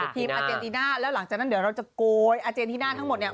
อาเจนติน่าแล้วหลังจากนั้นเดี๋ยวเราจะโกยอาเจนติน่าทั้งหมดเนี่ย